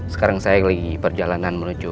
sekarang saya lagi perjalanan menuju